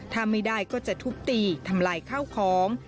ถ้าไม่ได้ก็จะทุบตีทำลายข้าวของ